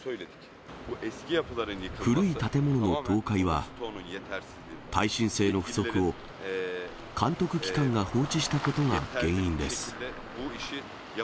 古い建物の倒壊は、耐震性の不足を監督機関が放置したことが原因です。